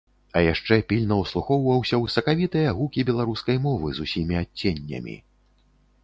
А яшчэ пільна ўслухоўваўся ў сакавітыя гукі беларускай мовы з усімі адценнямі.